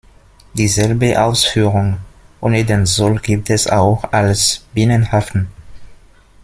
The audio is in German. Dieselbe Ausführung, ohne den Zoll gibt es auch als Binnenhafen.